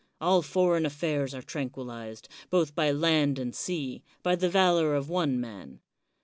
All foreign affairs are tranquilized, both by land and sea, by the valor of one man.